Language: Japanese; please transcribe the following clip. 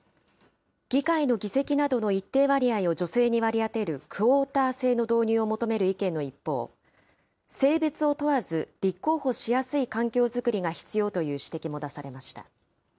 議会の議席などの一定割合を女性に割り当てるクオータ制の導入を求める意見の一方、性別を問わず立候補しやすい環境づくりが必要という指摘も出されました。